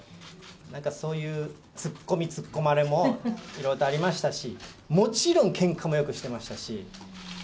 なんかそういう、つっこみつっこまれもいろいろとありましたし、もちろんけんかもよくしてましたし。